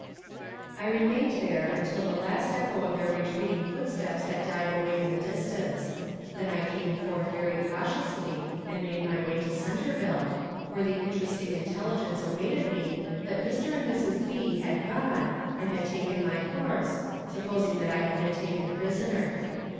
I remained there until the last echo of their retreating footsteps had died away in the distance; then I came forth very cautiously and made my way to Centerville, where the interesting intelligence awaited me that Mr. and Mrs. B. had gone, and had taken my horse, supposing that I had been taken prisoner.